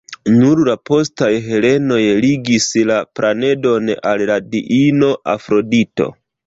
Nur la postaj helenoj ligis la planedon al la diino Afrodito.